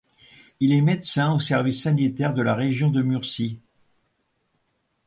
Il est médecin au service sanitaire de la Région de Murcie.